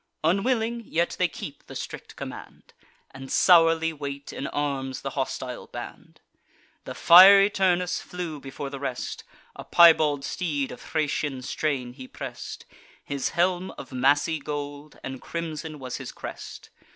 Unwilling, yet they keep the strict command, And sourly wait in arms the hostile band. The fiery Turnus flew before the rest: A piebald steed of Thracian strain he press'd; His helm of massy gold, and crimson was his crest.